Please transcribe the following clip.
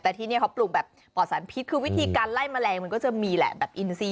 แต่ที่นี่เขาปลูกแบบปอดสารพิษคือวิธีการไล่แมลงมันก็จะมีแหละแบบอินซี